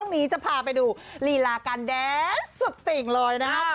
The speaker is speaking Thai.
นี้จะพาไปดูลีลาการแดนสุดติ่งเลยนะครับ